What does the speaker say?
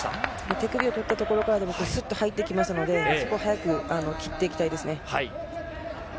手首をとったところからでもスッと入ってきますのでそこを早く切っていきたいですね。